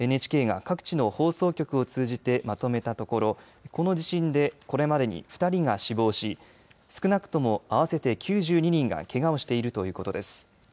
ＮＨＫが各地の放送局を通じてまとめたところ、この地震でこれまでに２人が死亡し少なくとも合わせて９２人がけがをしているということです。